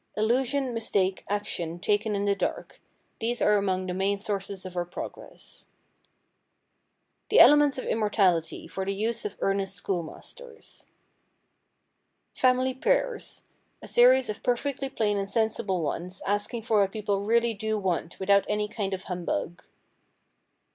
Illusion, mistake, action taken in the dark—these are among the main sources of our progress. The Elements of Immorality for the Use of Earnest Schoolmasters. Family Prayers: A series of perfectly plain and sensible ones asking for what people really do want without any kind of humbug.